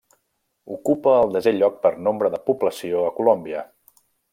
Ocupa el desè lloc per nombre de població a Colòmbia.